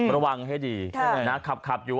ระวังให้ดีนะขับอยู่